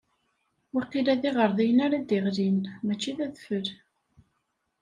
Waqila d iɣerdayen ara d-iɣlin, mačči d adfel.